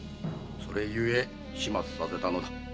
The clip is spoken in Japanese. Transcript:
それゆえ始末させたのだ。